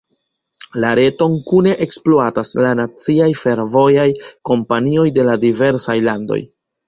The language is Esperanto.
La reton kune ekspluatas la naciaj fervojaj kompanioj de la diversaj landoj.